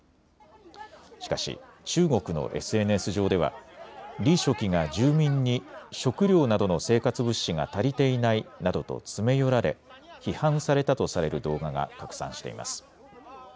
しかし中国のＳＮＳ上では李書記が住民に食料などの生活物資が足りていないなどと詰め寄られ批判されたとされる動画が拡散しています。